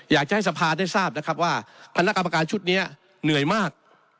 อยากจะให้สภาได้ทราบนะครับว่าคณะกรรมการชุดนี้เหนื่อยมาก